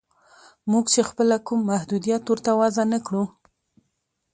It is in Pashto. موږ چې خپله کوم محدودیت ورته وضع نه کړو